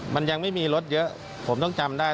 มันยังไม่มีรถเยอะผมต้องจำได้